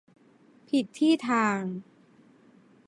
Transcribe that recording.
ผิดที่ทาง